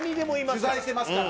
取材してますから。